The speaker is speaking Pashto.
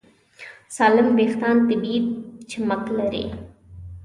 سالم وېښتيان طبیعي چمک لري.